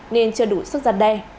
nên chưa đủ sức giặt đe